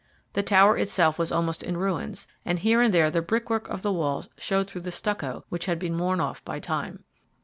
The tower itself was almost in ruins, and here and there the brickwork of the walls showed through the stucco, which had worn off by time.